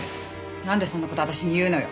なんでそんな事私に言うのよ？